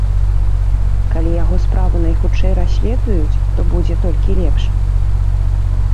Калі яго справу найхутчэй расследуюць, то будзе толькі лепш.